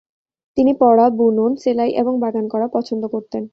তিনি পড়া, বুনন, সেলাই এবং বাগান করা পছন্দ করতেন।